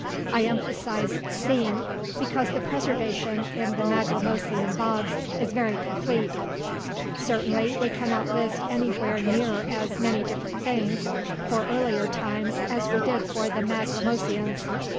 I emphasize "seem" because the preservation in the Maglemosian bogs is very complete; certainly we cannot list anywhere near as many different things for earlier times as we did for the Maglemosians (p.